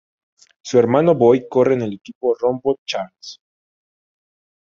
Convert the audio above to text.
Su hermano Boy corre en el equipo Roompot-Charles.